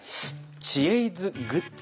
「知恵泉」グッズ